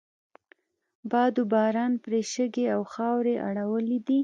باد و باران پرې شګې او خاورې اړولی دي.